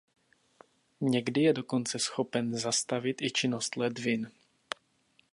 Někdy je dokonce schopen zastavit i činnost ledvin.